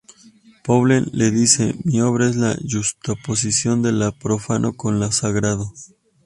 Poulenc le dice "mi obra es la yuxtaposición de lo profano con lo sagrado".